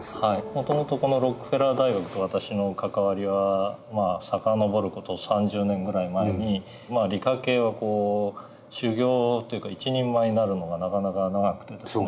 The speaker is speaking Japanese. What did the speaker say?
もともとこのロックフェラー大学と私の関わりは遡る事３０年ぐらい前に理科系は修業というか一人前になるのがなかなか長くてですね。